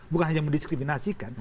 bukan hanya mendiskriminasikan